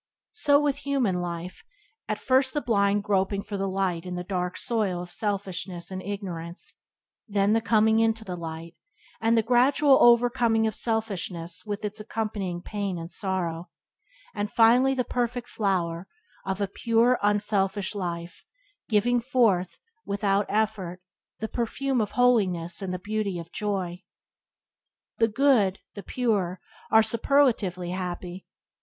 So, with human life; at first the blind groping for the light in the dark soil of selfishness and ignorance; then the coming into the light, and the gradual overcoming of selfishness with its accompanying pain and sorrow; and finally the perfect flower of a pure, unselfish life, giving forth, without effort, the perfume of holiness and the beauty of joy. The good, the pure, are the superlatively happy.